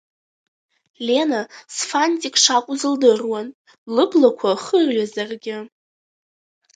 Лена сфантик шакәыз лдыруан, лыблақәа хырҩазаргьы.